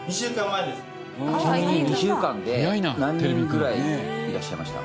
ちなみに２週間で何人ぐらいいらっしゃいました？